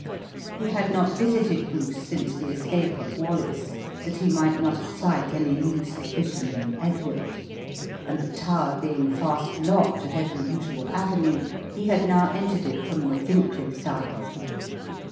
He had not visited Bruce since the escape of Wallace, that he might not excite any new suspicion in Edward; and the tower being fast locked at every usual avenue, he had now entered it from the Fincklay side.